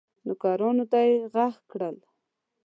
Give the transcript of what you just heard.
نوکرانو ته یې ږغ کړل